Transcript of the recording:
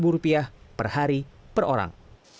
seratus rupiah per hari per orang